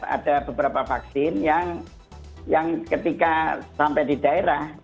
ada beberapa vaksin yang ketika sampai di daerah